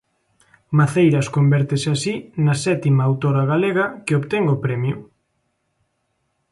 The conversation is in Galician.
Maceiras convértese así na sétima autora galega que obtén o premio.